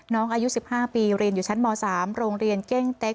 อายุ๑๕ปีเรียนอยู่ชั้นม๓โรงเรียนเก้งเต็ก